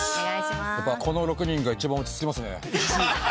この６人が一番落ち着きますね。